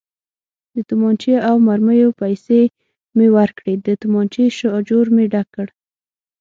د تومانچې او مرمیو پیسې مې ورکړې، د تومانچې شاجور مې ډک کړ.